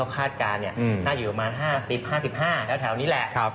คาดการณ์น่าจะอยู่ประมาณ๕๐๕๕แถวนี้แหละ